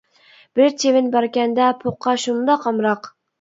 بىر چىۋىن باركەن دە، پوققا شۇنداق ئامراق.